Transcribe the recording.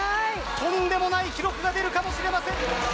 とんでもない記録が出るかもしれません。